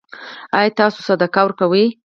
ایا تاسو صدقه ورکوئ؟